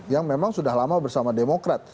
yang memang sudah lama bersama demokrat